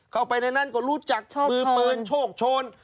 เข้าไปในนั้นก็รู้จักมือปืนโชคโชน